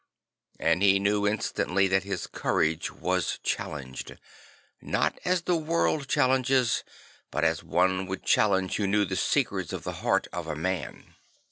And he knew instantly that his courage was challenged, not as the world challenges, but as one would challenge who knew Francis the Fighter 57 the secrets of the heart of a man.